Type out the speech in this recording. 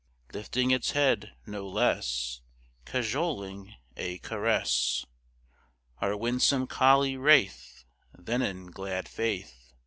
Lifting its head, no less Cajoling a caress, Our winsome collie wraith, Than in glad faith.